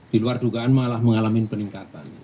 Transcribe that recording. diluar dugaan malah mengalami peningkatan